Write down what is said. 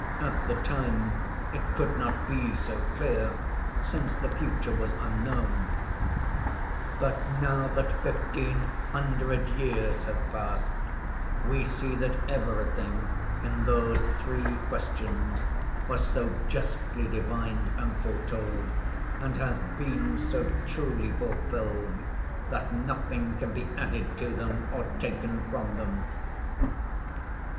At the time it could not be so clear, since the future was unknown; but now that fifteen hundred years have passed, we see that everything in those three questions was so justly divined and foretold, and has been so truly fulfilled, that nothing can be added to them or taken from them.